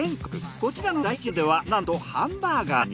こちらの大吉屋さんではなんとハンバーガーに。